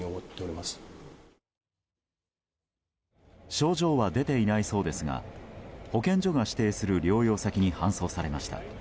症状は出ていないそうですが保健所が指定する療養先に搬送されました。